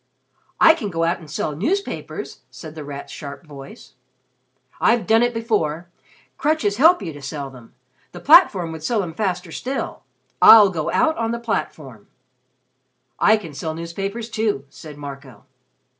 "I can go out and sell newspapers," said The Rat's sharp voice. "I've done it before. Crutches help you to sell them. The platform would sell 'em faster still. I'll go out on the platform." "I can sell newspapers, too," said Marco.